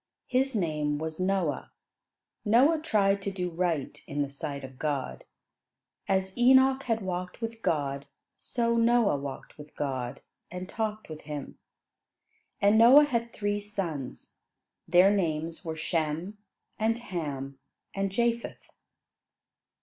His name was Noah. Noah tried to do right in the sight of God. As Enoch had walked with God, so Noah walked with God, and talked with him. And Noah had three sons; their names were Shem, and Ham, and Japheth.